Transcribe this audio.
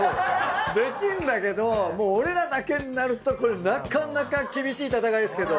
できんだけどもう俺らだけになるとなかなか厳しい戦いですけど。